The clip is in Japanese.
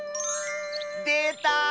でた！